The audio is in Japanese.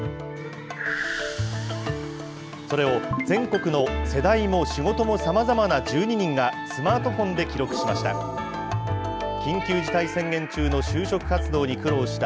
それを全国の世代も仕事もさまざまな１２人が、スマートフォンで記録しました。